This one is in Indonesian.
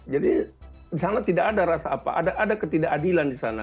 jadi di sana tidak ada rasa apa ada ketidakadilan di sana